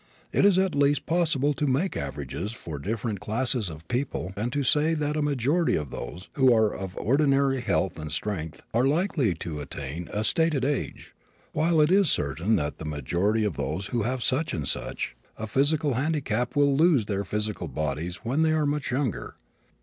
It is at least possible to make averages for different classes of people and to say that a majority of those who are of ordinary health and strength are likely to attain a stated age, while it is certain that the majority of those who have such, and such, a physical handicap will lose their physical bodies when they are much younger.